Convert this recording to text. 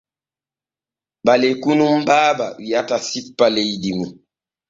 Ɓaleku nun Baaba wi’ata sippa leydi.